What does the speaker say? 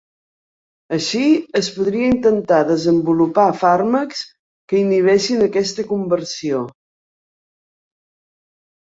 Així, es podria intentar desenvolupar fàrmacs que inhibeixin aquesta conversió.